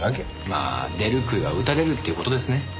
まあ「出る杭は打たれる」っていう事ですね。